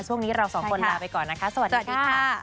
ช่วงนี้เราสองคนลาไปก่อนนะคะสวัสดีค่ะ